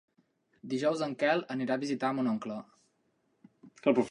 Dijous en Quel anirà a visitar mon oncle.